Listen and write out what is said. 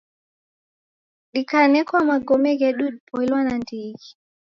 Dikanekwa magome ghedu dipoilwa nandighi